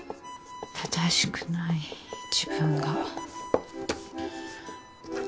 正しくない自分が。